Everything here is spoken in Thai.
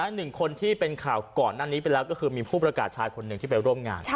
หนึ่งคนที่เป็นข่าวก่อนหน้านี้ไปแล้วก็คือมีผู้ประกาศชายคนหนึ่งที่ไปร่วมงาน